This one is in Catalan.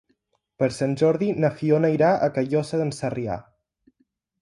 Per Sant Jordi na Fiona irà a Callosa d'en Sarrià.